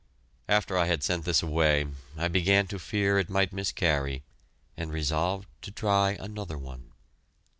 After I had sent this away, I began to fear it might miscarry and resolved to try another one.